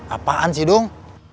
apaan sih dong